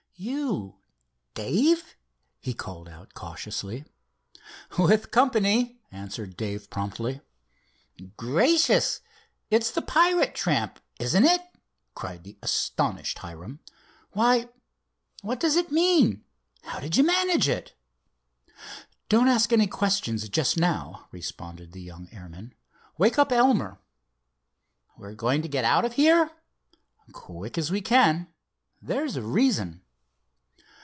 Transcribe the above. "You, Dave?" he called out cautiously. "With company," answered Dave promptly. "Gracious! It's the pirate tramp, isn't it?" cried the astonished Hiram. "Why, what does it mean? How did you manage it?" "Don't ask any questions just now," responded the young airman. "Wake up Elmer." "We're going to get out of here?" "Quick as we can. There's a reason."